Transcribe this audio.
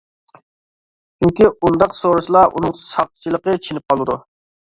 چۈنكى ئۇنداق سورىسىلا ئۇنىڭ ساقچىلىقى چېنىپ قالىدۇ.